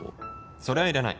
それはいらない。